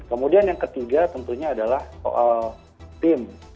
kemudian yang ketiga tentunya adalah soal tim